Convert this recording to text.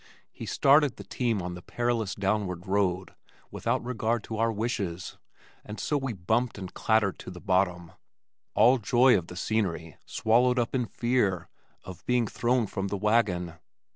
He started the team on the perilous downward road without regard to our wishes, and so we bumped and clattered to the bottom, all joy of the scenery swallowed up in fear of being thrown from the wagon.